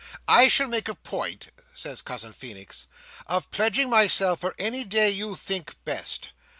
"I shall make a point," says Cousin Feenix, "of pledging myself for any day you think best.